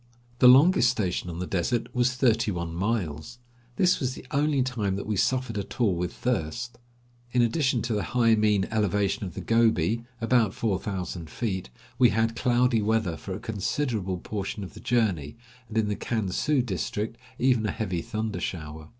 The longest station on the desert was thirty one miles. This was the only time that we suffered at all with thirst. In addition to the high mean elevation of the Gobi, about four thousand feet, we had cloudy weather for a considerable portion of the journey, and, in the Kan su district, even a heavy thunder shower.